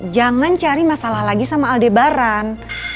jangan cari masalah lagi sama aldebaran